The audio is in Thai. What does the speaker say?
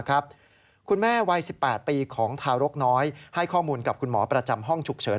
คุณแม่วัย๑๘ปีของทารกน้อยให้ข้อมูลกับคุณหมอประจำห้องฉุกเฉิน